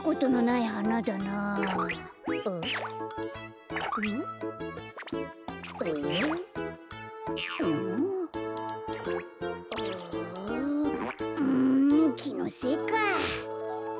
ああうんきのせいか！